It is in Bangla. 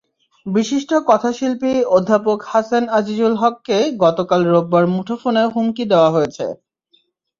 বিশিষ্ট কথাশিল্পী অধ্যাপক হাসান আজিজুল হককে গতকাল রোববার মুঠোফোনে হুমকি দেওয়া হয়েছে।